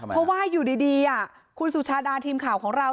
เพราะว่าอยู่ดีคุณสุชาดาทีมข่าวของเรา